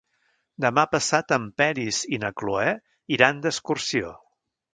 Demà passat en Peris i na Cloè iran d'excursió.